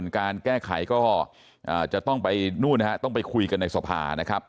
การแก้ไขก็จะต้องไปคุยกันในสภานะครับ